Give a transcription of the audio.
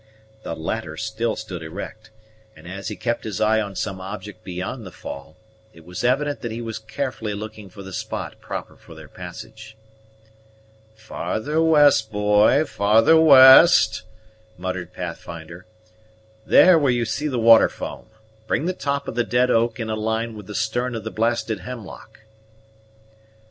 The latter still stood erect; and, as he kept his eye on some object beyond the fall, it was evident that he was carefully looking for the spot proper for their passage. "Farther west, boy; farther west," muttered Pathfinder; "there where you see the water foam. Bring the top of the dead oak in a line with the stem of the blasted hemlock."